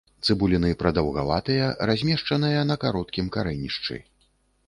Цыбуліны прадаўгаватыя, размешчаныя на кароткім карэнішчы.